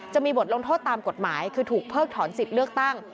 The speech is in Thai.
จะมีบทลงโทษตามกฎหมายคือถูกเพิกถอนสิทธิ์เลือกตั้ง